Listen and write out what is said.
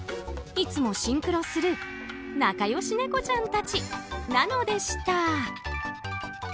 いつもシンクロする仲良しネコちゃんたちなのでした。